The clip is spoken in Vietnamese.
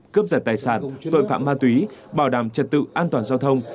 cướp giật tài sản tội phạm ma túy bảo đảm trật tự an toàn giao thông